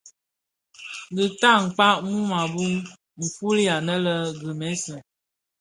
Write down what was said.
Dhi tan kpag mum a bum. Nfuli anë lè Grémisse,